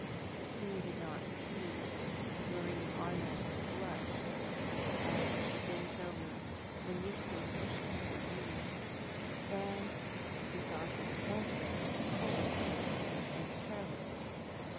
" He did not see Marie Arnold's blush, as she bent over the 84 Thou art the Man. newspaper she had been reading, and he thought her answer was cold and careless.